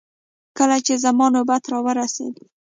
کله چې زما نوبت راورسېد.